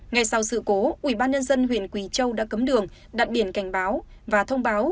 ngày sau sự cố ubnd huyện quỳ châu đã cấm đường đặt biển cảnh báo và thông báo